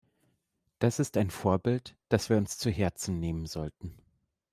Das ist ein Vorbild, das wir uns zu Herzen nehmen sollten.